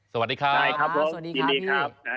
สวัสดีครับยินดีครับ